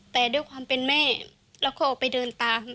แต่ด้วยความเป็นแม่แล้วก็ออกไปเดินตาม